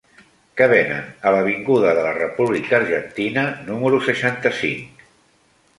Què venen a l'avinguda de la República Argentina número seixanta-cinc?